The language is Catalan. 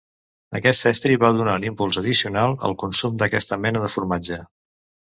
Aquest estri va donar un impuls addicional al consum d'aquesta mena de formatge.